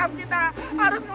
aku bisa menyanyi